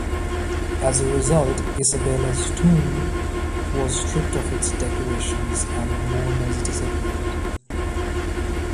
As a result, Isabella's tomb was stripped of its decorations and the 'mourners' disappeared.